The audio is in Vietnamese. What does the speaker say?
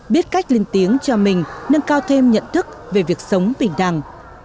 biết cách lên tiếng cho mình nâng cao thêm nhận thức về việc sống bình đẳng